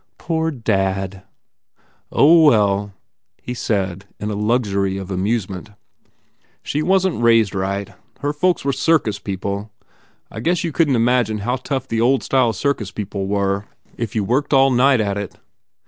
"Poor dad !" u Oh, well/ he said in a luxury of amusement, "She wasn t raised right. Her folks were circus people. I guess you couldn t imagine how tough the old style circus people were if you worked all night at it.